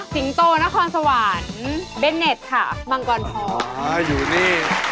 โตนครสวรรค์เบนเน็ตค่ะมังกรทองอ๋ออยู่นี่